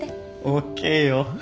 ＯＫよ。